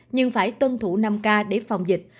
nhưng phải tuân thủ năm k để phòng dịch